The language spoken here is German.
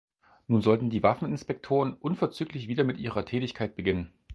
Nun sollten die Waffeninspektoren unverzüglich wieder mit ihrer Tätigkeit beginnen.